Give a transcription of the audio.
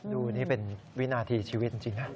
ดูนี่เป็นวินาทีชีวิตจริงนะ